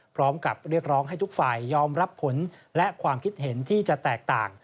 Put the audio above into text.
พร้อมกับเรียกร้องให้ทุกฝ่ายยอมรับผลและความคิดเห็นที่จะแตกต่าง